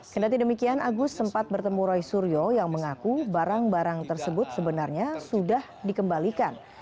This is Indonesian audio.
kendati demikian agus sempat bertemu roy suryo yang mengaku barang barang tersebut sebenarnya sudah dikembalikan